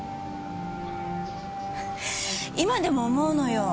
今でも思うのよ。